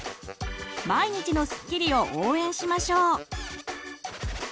毎日のすっきりを応援しましょう！